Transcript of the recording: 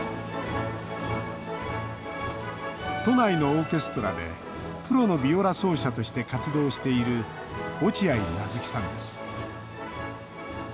都内のオーケストラでプロのヴィオラ奏者として活動している落合なづきさんです。